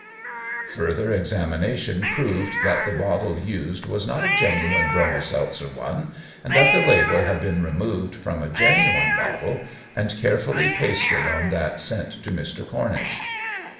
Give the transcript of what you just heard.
Further examination proved that the bottle used was not a genuine Bromo seltzer one, and that the label had been removed from a genuine bottle and carefully pasted on that sent to Mr. Cornish.